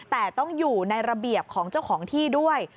แต่ต้องอยู่ในระเบียบของเจ้าของที่ด้วย